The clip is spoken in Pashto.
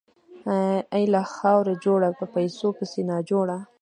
اې له خاورو جوړه، په پيسو پسې ناجوړه !